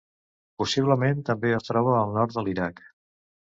Possiblement també es troba al nord de l'Iraq.